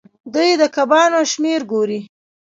دوی د کبانو شمیر ګوري.